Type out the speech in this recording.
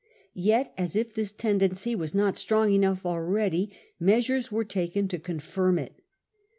Yet, as if this tendency were not strong enough already, measures were taken to confirm it.